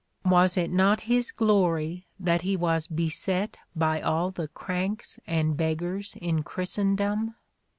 Was it not his glory that he was "beset by all the cranks and beggars in Christen dom"?